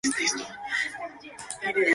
Unos años más tarde, en el St.